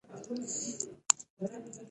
پکتیا د افغانستان د طبعي سیسټم توازن ساتي.